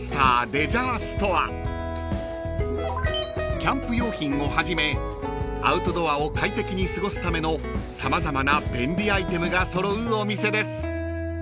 ［キャンプ用品をはじめアウトドアを快適に過ごすための様々な便利アイテムが揃うお店です］